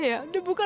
yaudah aku bullo